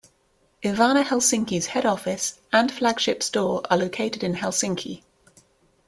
Ivana Helsinki's head office and flagship store are located in Helsinki.